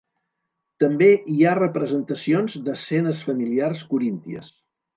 També hi ha representacions d'escenes familiars corínties.